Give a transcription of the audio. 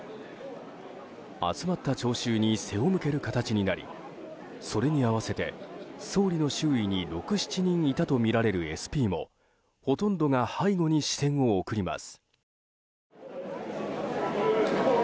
集まった聴衆に背を向ける形になりそれに合わせて総理の周囲に６７人いたとみられるＳＰもほとんどが背後に視線を送ります。